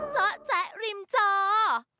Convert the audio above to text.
เจ้าแจ๊ะริมเจ้า